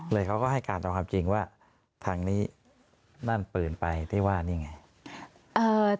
เขาก็ให้การตามความจริงว่าทางนี้นั่นปืนไปที่ว่านี่ไง